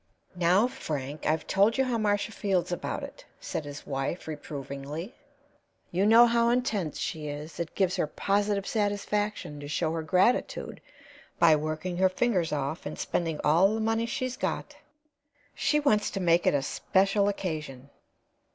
"Now, Frank, I've told you how Marcia feels about it," said his wife, reprovingly. "You know how intense she is it gives her positive satisfaction to show her gratitude by working her fingers off and spending all the money she's got. She wants to make it a special occasion."